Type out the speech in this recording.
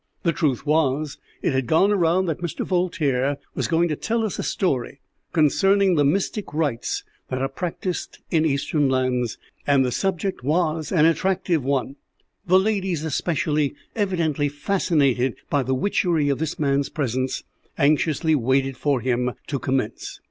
The truth was, it had gone around that Mr. Voltaire was going to tell us a story concerning the mystic rites that are practised in Eastern lands, and the subject was an attractive one. The ladies especially, evidently fascinated by the witchery of this man's presence, anxiously waited for him to commence.